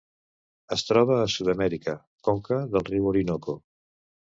Es troba a Sud-amèrica: conca del riu Orinoco.